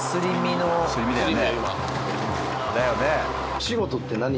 だよね。